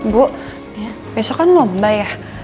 bu besok kan lomba ya